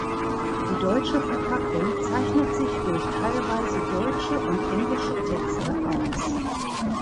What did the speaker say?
Die deutsche Verpackung zeichnet sich durch teilweise Deutsche und Englische Texte aus.